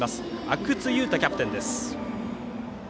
阿久津佑太キャプテンです。